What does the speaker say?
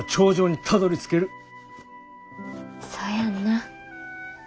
そうやんな。